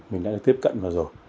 mình đã được tiếp cận vào rồi